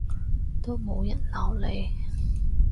都冇人鬧你